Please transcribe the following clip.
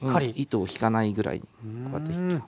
糸を引かないぐらいこうやって。